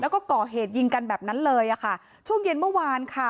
แล้วก็ก่อเหตุยิงกันแบบนั้นเลยอ่ะค่ะช่วงเย็นเมื่อวานค่ะ